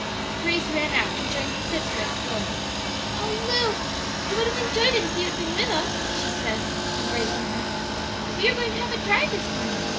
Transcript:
Grace ran out and joined her sister at the door. "Oh, Lu, you would have enjoyed it if you had been with us," she said, embracing her. "But we are going to have a drive this morning.